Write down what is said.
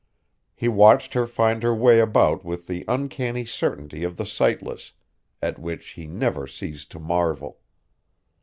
He watched her find her way about with the uncanny certainty of the sightless, at which he never ceased to marvel.